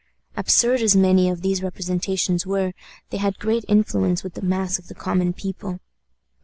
Absurd as many of these representations were, they had great influence with the mass of the common people.